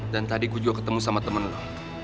dan tadi gue juga ketemu sama temen lo